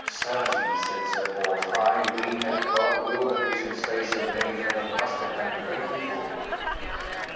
'Certes,' said Sir Bors, 'I ween that God willed that we should slay so many, for they must have done great evil.'